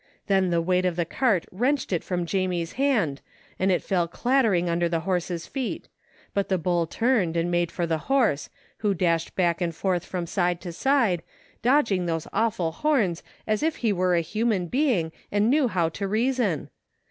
Then the weight of the cart wrenched it from Jamie's hand, and it fell clattering imder the horse's feet, but the bull turned and made for the horse, who dashed back and forth from side to side, dodging those awful horns as if he were a human 261 THE FINDING OF JASPER HOLT being and knew how to reason.